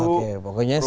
oke pokoknya subsidi